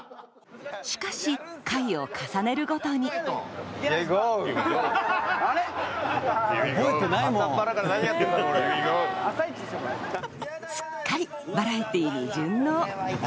しかし回を重ねるごとにすっかりバラエティーに順応